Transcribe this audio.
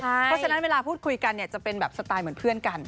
เพราะฉะนั้นเวลาพูดคุยกันเนี่ยจะเป็นแบบสไตล์เหมือนเพื่อนกัน